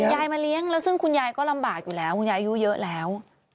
ยายมาเลี้ยงแล้วซึ่งคุณยายก็ลำบากอยู่แล้วคุณยายอายุเยอะแล้ว